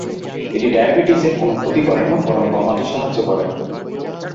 এটি ডায়াবেটিস এর কোন ক্ষতি করেনা বরং কমাতে সাহায্য করে।